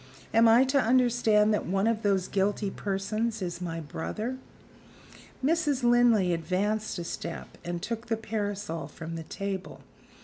"Am I to understand that one of those guilty persons is my brother?" Mrs. Linley advanced a step and took the parasol from the table.